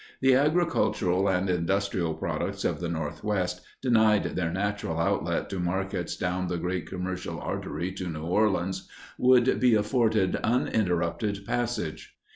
The agricultural and industrial products of the Northwest, denied their natural outlet to markets down the great commercial artery to New Orleans, would be afforded uninterrupted passage.